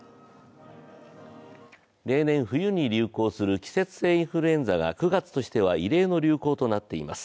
例年冬に流行する季節性インフルエンザが９月としては異例の流行となっています。